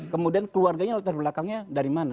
kemudian keluarganya latar belakangnya dari mana